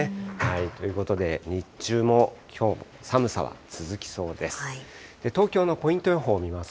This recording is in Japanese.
ということで、日中もきょうも、寒さは続きそうです。